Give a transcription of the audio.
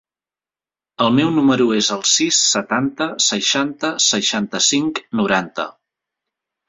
El meu número es el sis, setanta, seixanta, seixanta-cinc, noranta.